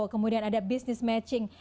kemudian ada business matching